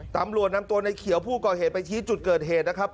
ตำรวจนำตัวในเขียวผู้ก่อเหตุไปชี้จุดเกิดเหตุนะครับ